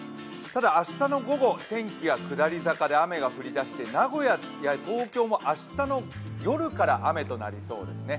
ただ明日の午後天気が下り坂で雨が降りだして名古屋や東京も明日の夜から雨となりそうですね。